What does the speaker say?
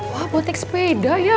wah botik sepeda ya